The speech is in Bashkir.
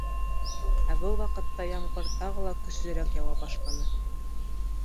Ә был ваҡытта ямғыр тағы ла көслөрәк яуа башланы.